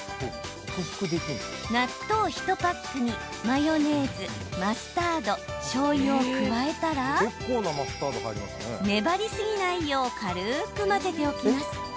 納豆１パックにマヨネーズマスタード、しょうゆを加えたら粘りすぎないよう軽く混ぜておきます。